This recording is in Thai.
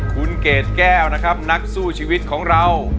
คุณเกดแก้วนักสู้ชีวิตของเรา